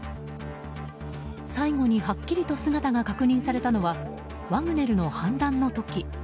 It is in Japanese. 最後にはっきりと姿が確認されたのはワグネルの反乱の時。